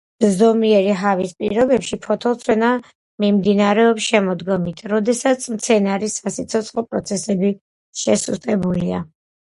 ზომიერი ჰავის პირობებში ფოთოლცვენა მიმდინარეობა შემოდგომით, როდესაც მცენარის სასიცოცხლო პროცესები შესუსტებულია.